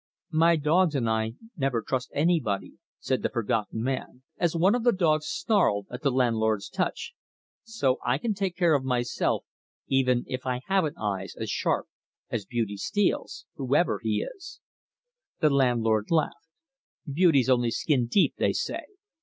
"My dogs and I never trust anybody," said the Forgotten Man, as one of the dogs snarled at the landlord's touch. "So I can take care of myself, even if I haven't eyes as sharp as Beauty Steele's, whoever he is." The landlord laughed. "Beauty's only skin deep, they say.